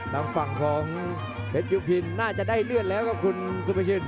ทางฝั่งของเพชรวิวพินน่าจะได้เลือดแล้วครับคุณสุภาชิน